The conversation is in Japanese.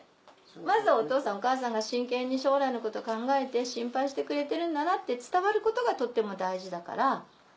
まずはお父さんお母さんが真剣に将来のことを考えて心配してくれてるんだなって伝わることがとっても大事だから。